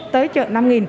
tới chợ năm